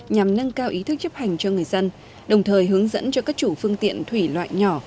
nhằm nâng cao ý thức chấp hành cho người dân đồng thời hướng dẫn cho các chủ phương tiện thủy loại nhỏ